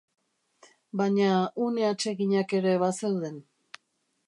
Baina une atseginak ere bazeuden.